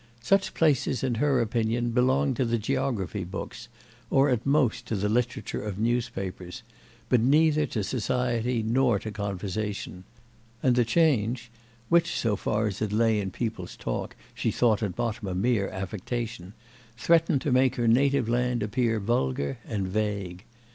Such places, in her opinion, belonged to the geography books, or at most to the literature of newspapers, but neither to society nor to conversation; and the change—which, so far as it lay in people's talk, she thought at bottom a mere affectation—threatened to make her native land appear vulgar and vague.